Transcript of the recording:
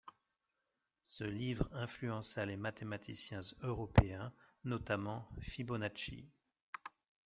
Ce livre influença les mathématiciens européens, notamment Fibonacci.